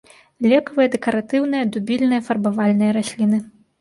Лекавыя, дэкаратыўныя, дубільныя, фарбавальныя расліны.